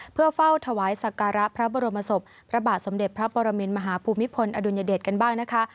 เพื่อเฝ้าถวายสักการะพระบรมศพพระบาทสมเด็จพระปรมินมหาภูมิพลอดุลยเดชกันบ้างนะคะ